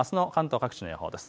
あすの関東各地の予報です。